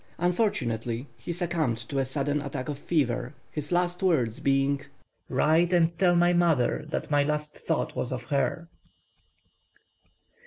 Unfortunately he succumbed to a sudden attack of fever, his last words being, "Write and tell my mother that my last thought was of her."